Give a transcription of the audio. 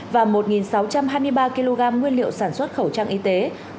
và một sáu trăm hai mươi ba kg nguyên liệu sản xuất khẩu trang y tế